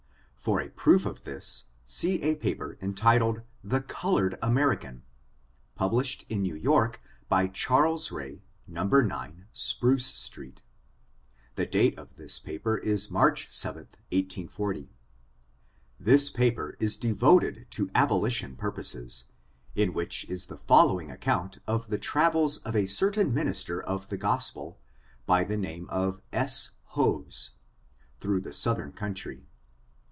For a proof of this, see a paper entitled the "Coir ored Americcm^^ published in New York, by Charles Ray, No. 9, Spruce street. The date of the paper is March 7, 1840. This paper is devoted to abolition purposes, in which is the following account of the travels of a certain minister of the gospel, by the name of S. Hoes, through the southern country.